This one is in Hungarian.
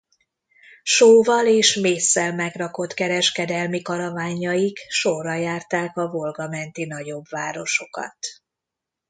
Sóval és mésszel megrakott kereskedelmi karavánjaik sorra járták a Volga-menti nagyobb városokat.